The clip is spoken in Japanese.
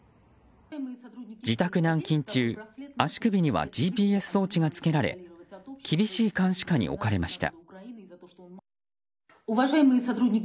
自宅軟禁中足首にはＧＰＳ装置がつけられ厳しい監視下に置かれました。